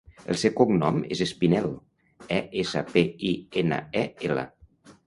El seu cognom és Espinel: e, essa, pe, i, ena, e, ela.